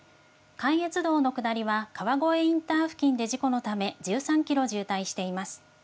関越道の下りは、川越インター付近で事故のため、１３キロ渋滞しています。